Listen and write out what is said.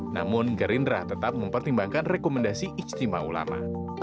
namun gerindra tetap mempertimbangkan rekomendasi istimewa ulama